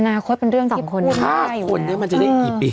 อนาคตเป็นเรื่องสำคัญ๕คนเนี่ยมันจะได้กี่ปี